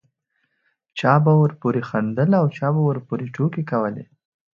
چا به ورپورې خندل چا به ورپورې ټوکې کولې.